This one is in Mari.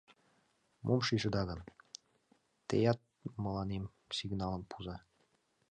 Мом шижыда гын, теат мыланем сигналым пуыза...